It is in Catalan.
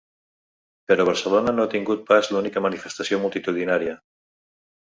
Però Barcelona no ha tingut pas l’única manifestació multitudinària.